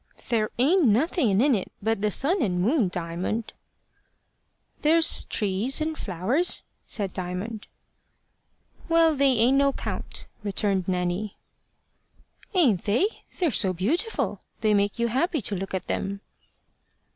"There ain't nothing in it but the sun and moon, Diamond." "There's trees and flowers," said Diamond. "Well, they ain't no count," returned Nanny. "Ain't they? They're so beautiful, they make you happy to look at them."